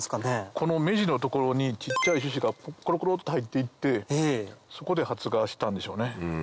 この目地の所に小っちゃい種子がコロコロって入って行ってそこで発芽したんでしょうね。